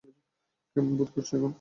কেমন বোধ করছ এখন?